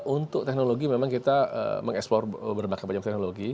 untuk teknologi memang kita mengeksplor berbagai macam teknologi